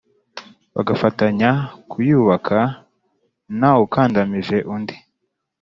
bagafatanya kuyubaka ntawukandamije undi.